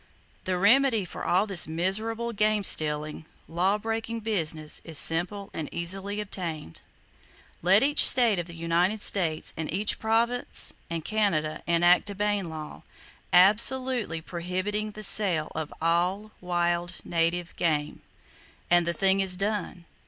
The remedy for all this miserable game stealing, law breaking business is simple and easily obtained. Let each state of the United States and each province and Canada enact a Bayne law, absolutely prohibiting the sale of all wild native game, and the thing is done!